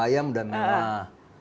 ayam sudah mewah